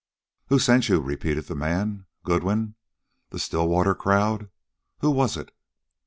"Who sent you?" repeated the man. "Goodwin? The Stillwater crowd? Who was it?"